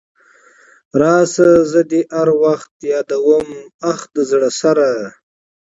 راسه زه دي هر وخت يادومه اخ د زړه سره .